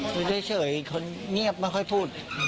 อยู่เฉยคนเงียบไม่ค่อยพูด